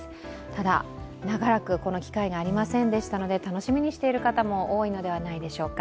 ただ、長らくこの機会がありませんでしたので、楽しみにしている方も多いのではないでしょうか。